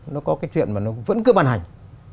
nó có cái chuyện mà nó vẫn cứ ban hành